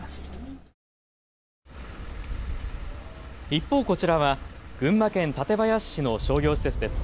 一方、こちらは群馬県館林市の商業施設です。